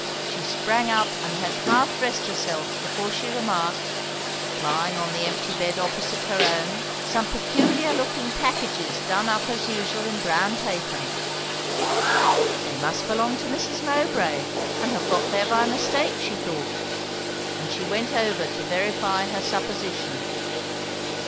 She sprang up, and had half dressed herself before she remarked, lying on the empty bed opposite her own, some peculiar looking packages done up as usual in brown paper. They must belong to Mrs. Mowbray and have got there by mistake, she thought; and she went over to verify her supposition.